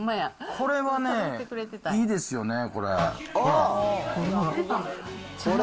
これはね、いいですよね、これ。